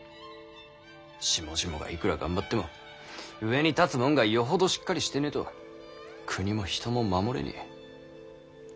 下々がいくら頑張っても上に立つもんがよほどしっかりしてねぇと国も人も守れねぇ。